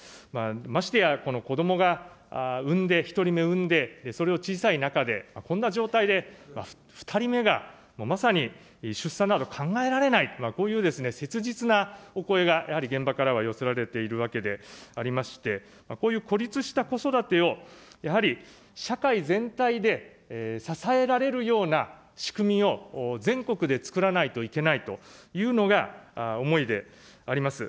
ましてや、子どもが産んで、１人目産んで、それを小さい中で、こんな状態で２人目がまさに出産など考えられない、こういう切実なお声がやはり現場からは寄せられているわけでありまして、こういう孤立した子育てをやはり社会全体で支えられるような仕組みを全国でつくらないといけないというのが、思いであります。